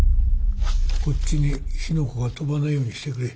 こっちに火の粉が飛ばないようにしてくれ。